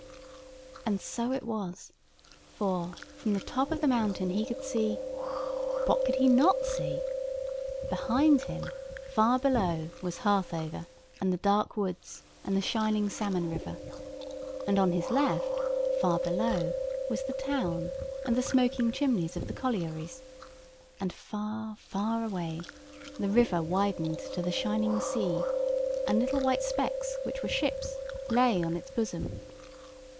And so it was; for, from the top of the mountain he could see—what could he not see? Behind him, far below, was Harthover, and the dark woods, and the shining salmon river; and on his left, far below, was the town, and the smoking chimneys of the collieries; and far, far away, the river widened to the shining sea; and little white specks, which were ships, lay on its bosom.